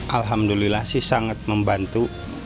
alhamdulillah sih sangat membantu